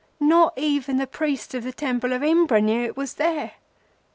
Not even the priests of the temple of Imbra knew it was there.